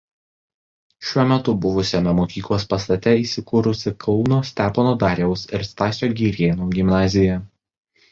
Šiuo metu buvusiame mokyklos pastate įsikūrusi Kauno Stepono Dariaus ir Stasio Girėno gimnazija.